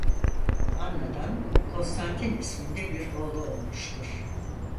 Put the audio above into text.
Anna'dan Konstantin isminde bir oğlu olmuştur.